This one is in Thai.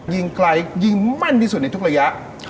ยิงไกลยิงมั่นที่สุดในทุกระยะ